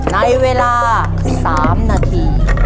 ในเวลา๓นาที